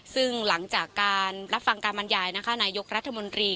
ซึ่งหลังจากการรับฟังการบรรยายนะคะนายกรัฐมนตรี